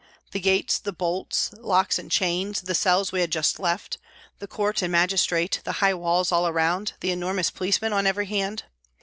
The gates, the bolts, locks and chains, the cells we had just left, the court and magistrate, the high walls all around, the enormous policemen on every hand.